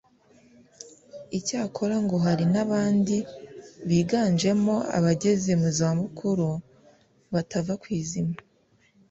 Icyakora ngo hari n’abandi biganjemo abageze mu zabukuru batava ku izima